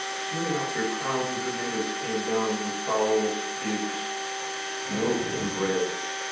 Soon after, crowds of the natives came down with fowls, pigs, milk, and bread.